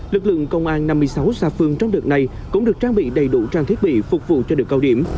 lực lượng công an năm mươi sáu xa phương trong đợt này cũng được trang bị đầy đủ trang thiết bị phục vụ cho được cao điểm